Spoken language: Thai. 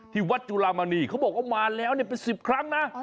ที่วัชยุรามานีเขาบอกว่ามาแล้วเนี่ยเป็น๑๐ครั้งนะ